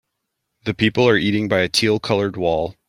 The people are eating by a teal colored wall.